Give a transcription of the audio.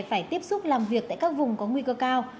phải tiếp xúc làm việc tại các vùng có nguy cơ cao